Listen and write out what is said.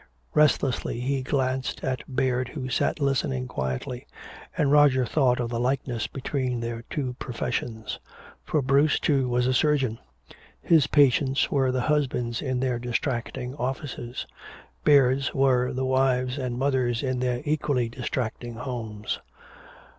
Restlessly he glanced at Baird who sat listening quietly. And Roger thought of the likeness between their two professions. For Bruce, too, was a surgeon. His patients were the husbands in their distracting offices. Baird's were the wives and mothers in their equally distracting homes.